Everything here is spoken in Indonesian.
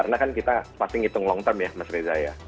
karena kan kita pasti ngitung long term ya mas reza ya